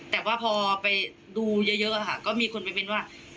แต่ว่าพอไปดูเยอะค่ะก็มีคนไปเม้นว่า